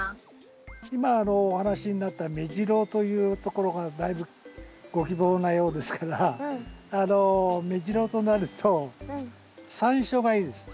今お話しになったメジロというところがだいぶご希望なようですからあのメジロとなるとサンショウがいいです。